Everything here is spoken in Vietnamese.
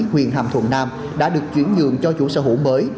huyện hàm thuận nam đã được chuyển nhường cho chủ sở hữu mới